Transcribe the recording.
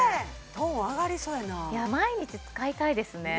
トーン上がりそうやな毎日使いたいですね